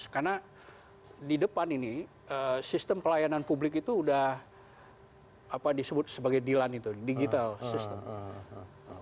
karena di depan ini sistem pelayanan publik itu sudah disebut sebagai dilan itu digital system